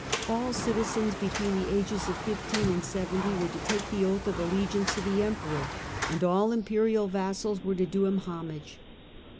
All citizens between the ages of fifteen and seventy were to take the oath of allegiance to the Emperor and all imperial vassals were to do him homage.